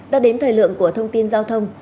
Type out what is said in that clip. đã đến thời lượng của thông tin giao thông